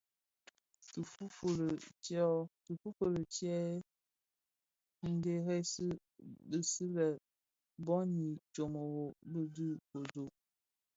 Tifufuli tye dheresi bisi lè bon i ntsōmōrōgō dhi be Kodo,